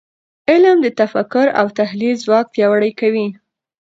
علم د تفکر او تحلیل ځواک پیاوړی کوي .